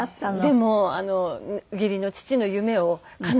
でも義理の父の夢をかなえてくれました。